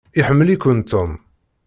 Iḥemmel-ikent Tom.